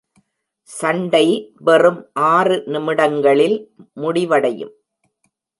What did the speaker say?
சண்டை வெறும் ஆறு நிமிடங்களில் முடிவடையும்.